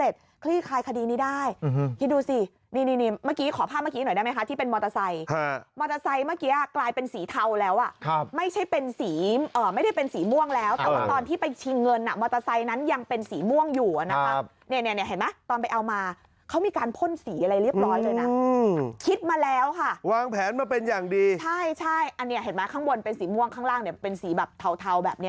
ใช่อันนี้เห็นไหมข้างบนเป็นสีม่วงข้างล่างเนี่ยเป็นสีแบบเทาแบบนี้